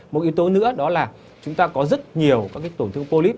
một yếu tố nữa đó là chúng ta có rất nhiều các tổn thương polyp